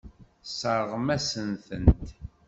Tesseṛɣem-asent-tent.